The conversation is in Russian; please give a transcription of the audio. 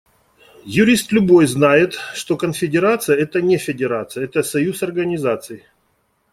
Юрист любой знает, что конфедерация – это не федерация, это союз организаций.